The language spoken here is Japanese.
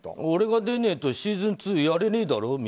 俺が出ねえとシーズン２やれねえだろ？